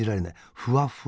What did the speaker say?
ふわふわ。